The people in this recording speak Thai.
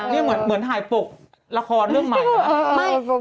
นี่เหมือนหายปกละครเรื่องใหม่นะ